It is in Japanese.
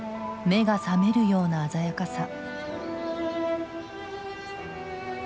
目が覚めるような鮮やかさ。